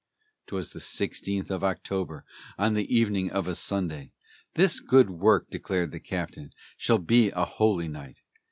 'Twas the sixteenth of October, on the evening of a Sunday: "This good work," declared the captain, "shall be on a holy night!"